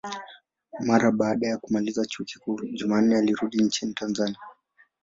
Mara baada ya kumaliza chuo kikuu, Jumanne alirudi nchini Tanzania.